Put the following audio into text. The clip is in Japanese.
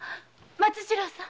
松次郎さん